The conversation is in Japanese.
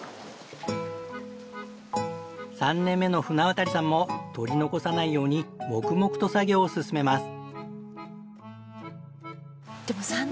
３年目の舩渡さんも取り残さないように黙々と作業を進めます。